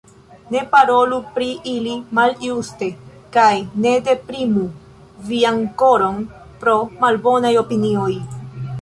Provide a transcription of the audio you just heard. Ne parolu pri ili maljuste kaj ne deprimu vian koron pro malbonaj opinioj.